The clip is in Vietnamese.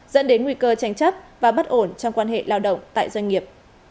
dẫn đến nguy cơ tranh chấp và bất ổn trong quan hệ lao động tại doanh nghiệp